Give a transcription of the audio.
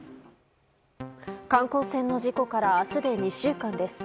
観光船の事故から明日で２週間です。